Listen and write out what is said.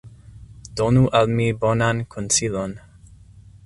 Donu al mi bonan konsilon.